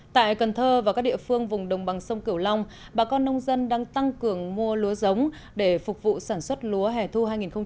tại cần thơ và các địa phương vùng đồng bằng sông cửu long bà con nông dân đang tăng cường mua lúa giống để phục vụ sản xuất lúa hẻ thu hai nghìn hai mươi